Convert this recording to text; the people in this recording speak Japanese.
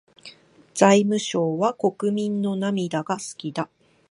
財務省は国民の涙が好きだ。